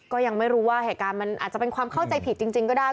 ก็ยังไม่รู้ว่าเหตุการณ์มันอาจจะเป็นความเข้าใจผิดจริงก็ได้